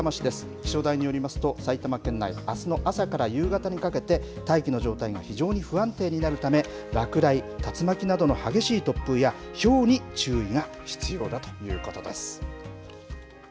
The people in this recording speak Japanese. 気象台によりますと埼玉県内あすの朝から夕方にかけて大気の状態が非常に不安定になるため落雷、竜巻などの激しい突風やひょうに注意が必要だということです。